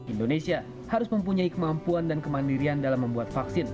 indonesia harus mempunyai kemampuan dan kemandirian dalam membuat vaksin